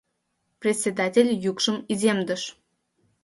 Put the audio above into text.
Председатель йӱкшым иземдыш.